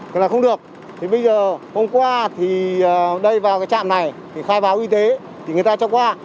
thì là không được thì bây giờ hôm qua thì đây vào cái trạm này thì khai báo y tế thì người ta cho qua